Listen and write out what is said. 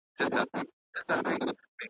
او خپل ملي بیرغ پورته کولای نه سي .